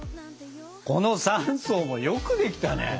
この３層もよくできたね。